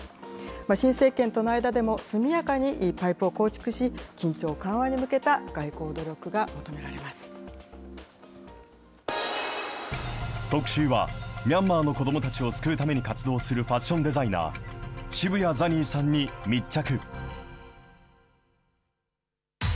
新政権との間でも、速やかにパイプを構築し、緊張緩和に向けた外特集は、ミャンマーの子どもたちを救うために活動するファッションデザイナー、渋谷ザニーさんに密着。